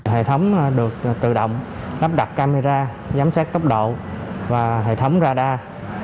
hệ thống được tự động lắp đặt camera giám sát tốc độ và hệ thống radar